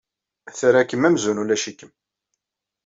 Terra-kem amzun ulac-ikem.